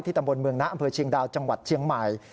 ตำบลเมืองนะอำเภอเชียงดาวจังหวัดเชียงใหม่